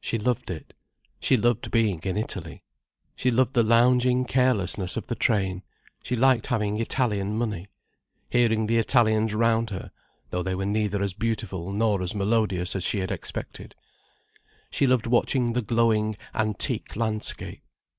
She loved it. She loved being in Italy. She loved the lounging carelessness of the train, she liked having Italian money, hearing the Italians round her—though they were neither as beautiful nor as melodious as she expected. She loved watching the glowing antique landscape.